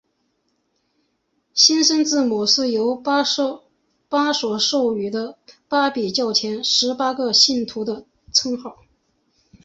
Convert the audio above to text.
新生字母是由巴孛授予的巴比教前十八个信徒的称号。